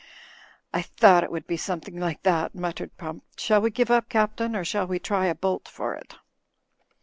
"I thought it would be something like that," mut tered Pump. "Shall we give up. Captain, or shall we try a bolt for it?"